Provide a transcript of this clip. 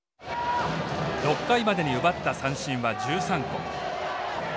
６回までに奪った三振は１３個。